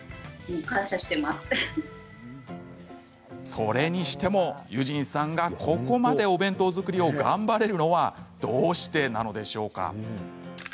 それにしても結尋さんがここまでお弁当作りを頑張れるのはどうしてなのでしょうか。